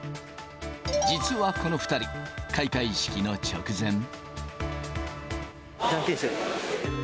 実はこの２人、開会式の直前。